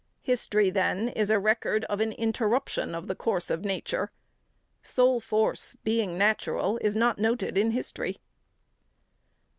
History, then, is a record of an interruption of the course of nature. Soul force, being natural, is not noted in history.